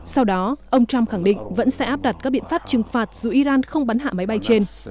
sau đó ông trump khẳng định vẫn sẽ áp đặt các biện pháp trừng phạt dù iran không bắn hạ máy bay trên